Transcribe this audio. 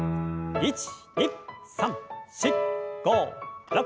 １２３４５６。